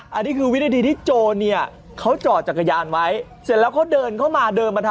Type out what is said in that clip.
เหมือนไม่หยิบของเมียตัวเองเลยแล้วทำไงต่อ